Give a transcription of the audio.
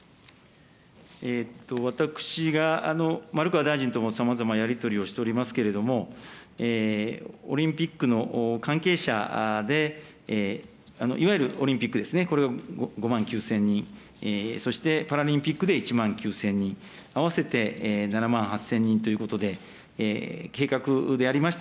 私が丸川大臣ともさまざまやり取りをしておりますけれども、オリンピックの関係者で、いわゆるオリンピックですね、これを５万９０００人、そしてパラリンピックで１万９０００人、合わせて７万８０００人ということで、計画でありました